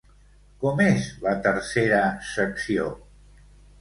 Com és la tercera secció?